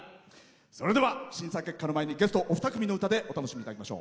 それでは、審査結果の前にゲストお二組の歌でお楽しみいただきましょう。